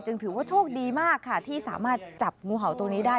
ถือว่าโชคดีมากค่ะที่สามารถจับงูเห่าตัวนี้ได้